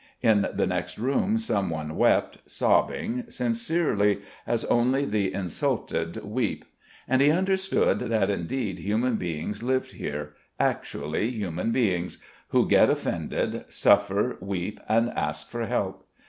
In the next room some one wept, sobbing, sincerely, as only the insulted weep. And he understood that indeed human beings lived here, actually human beings, who get offended, suffer, weep, and ask for help.